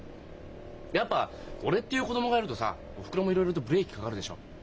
やっぱ俺っていう子供がいるとさおふくろもいろいろとブレーキかかるでしょう？